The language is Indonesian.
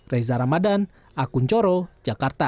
reza ramadan akun coro jakarta